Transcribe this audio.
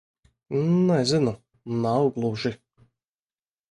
Nezinu. Nav gluži...